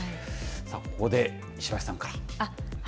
ここで石橋さんから。